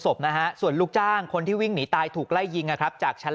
ศพนะฮะส่วนลูกจ้างคนที่วิ่งหนีตายถูกไล่ยิงนะครับจากชั้น